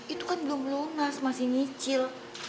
itu kan belum lunas masih nyicil